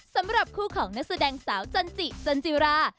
สำหรับคู่ของนักแสดงสาวจันจิจันจิรา